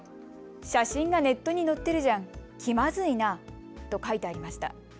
写真がネットに載ってるじゃん、気まずいな！と書いてありました。